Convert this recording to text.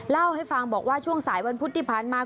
เล่าให้ฟังบอกว่าช่วงสายวันพุธที่ผ่านมา